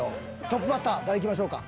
トップバッター誰いきましょうか？